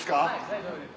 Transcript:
大丈夫です。